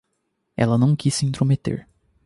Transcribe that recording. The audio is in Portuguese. Ela não quis se intrometer.